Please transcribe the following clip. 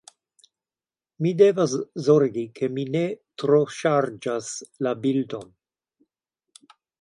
Mi devas zorgi, ke mi ne troŝarĝas la bildon.